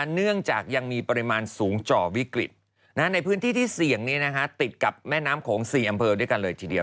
เนื่องจากยังมีปริมาณสูงจ่อวิกฤตในพื้นที่ที่เสี่ยงติดกับแม่น้ำโขง๔อำเภอด้วยกันเลยทีเดียว